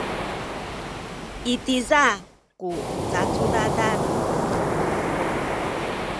i tiza ku cacudadan aku.